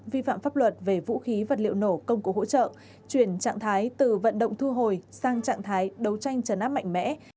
vi phạm pháp luật về vũ khí vật liệu nổ công cụ hỗ trợ chuyển trạng thái từ vận động thu hồi sang trạng thái đấu tranh trấn áp mạnh mẽ